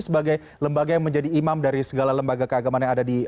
sebagai lembaga yang menjadi imam dari segala lembaga keagamaan yang ada di